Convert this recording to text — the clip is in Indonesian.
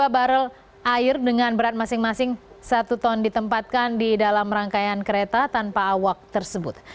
dua puluh barrel air dengan berat masing masing satu ton ditempatkan di dalam rangkaian kereta tanpa awak tersebut